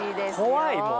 怖いもう。